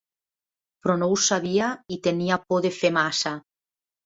Però no ho sabia i tenia por de fer massa.